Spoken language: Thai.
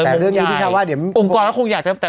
มงใหญ่แต่เรื่องจริงที่เขาว่าเดี๋ยวมันออกไปแล้วคงอยากจะจำ